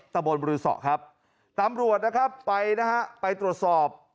ตะบนบรือสอครับตำรวจนะครับไปนะฮะไปตรวจสอบ